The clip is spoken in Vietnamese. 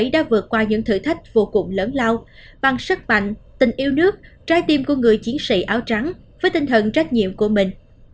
đã vượt qua những thử thách vô cùng lớn lao bằng sức mạnh tình yêu nước trái tim của người chiến sĩ áo trắng với tinh thần trách nhiệm của mình